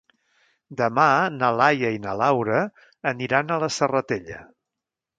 Demà na Laia i na Laura aniran a la Serratella.